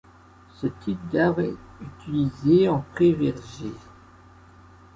C'est le type d'arbre utilisé en pré-verger.